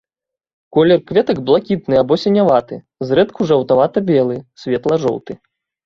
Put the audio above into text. Колер кветак блакітны або сіняваты, зрэдку жаўтавата-белы, светла-жоўты.